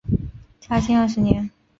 嘉庆二十年。